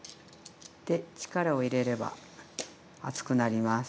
で力を入れれば厚くなります。